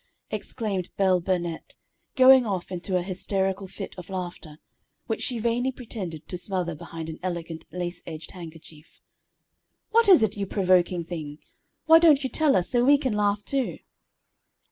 exclaimed Belle Burnette, going off into a hysterical fit of laughter, which she vainly pretended to smother behind an elegant lace edged handkerchief. "What is it, you provoking thing! Why don't you tell us, so we can laugh too?"